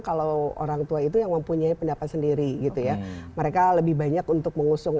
kalau orang tua itu yang mempunyai pendapat sendiri gitu ya mereka lebih banyak untuk mengusung